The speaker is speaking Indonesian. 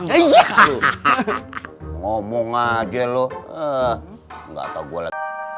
gak tau gue lagi